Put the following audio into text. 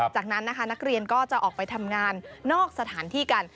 จากนั้นนะคะนักเรียนก็จะออกไปทำงานนอกสถานที่กัน